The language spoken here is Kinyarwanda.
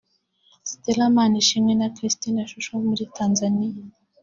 Stella Manishimwe na Christine Shusho wo muri Tanzania